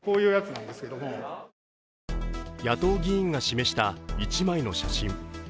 野党議員が示した１枚の写真。